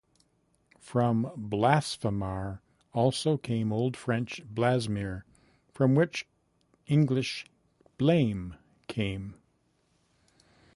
From "blasphemare" also came Old French "blasmer", from which English "blame" came.